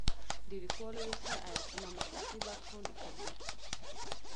د لیکوالو یو ستر عیب په نامسلکي برخو لیکل دي.